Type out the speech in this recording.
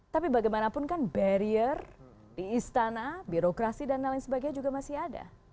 tapi bagaimanapun kan barrier di istana birokrasi dan lain sebagainya juga masih ada